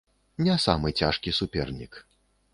Не самы цяжкі супернік.